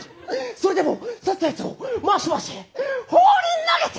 それでも刺さったやつを回して回して放り投げて！